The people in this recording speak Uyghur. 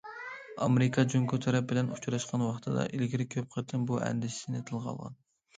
ئامېرىكا جۇڭگو تەرەپ بىلەن ئۇچراشقان ۋاقتىدا ئىلگىرى كۆپ قېتىم بۇ ئەندىشىسىنى تىلغا ئالغان.